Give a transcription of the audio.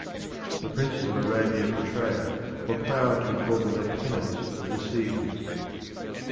The princes of Arabia Petraea were proud to be called the lieutenants of the Caesars.